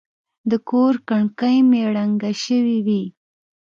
د کور کړکۍ مې رنګه شوې وې.